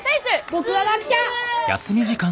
僕は学者！